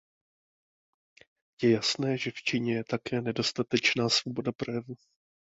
Je jasné, že v Číně je také nedostatečná svoboda projevu.